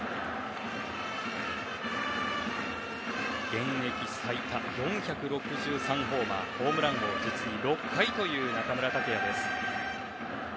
現役最多、４６３ホーマーホームラン王、実に６回という中村剛也です。